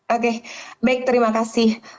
oke baik terima kasih